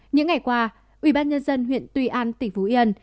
những ngày qua ubnd huyện tuy an tỉnh phú yên